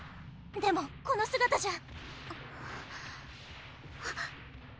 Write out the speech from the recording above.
でもこの姿じゃあっ！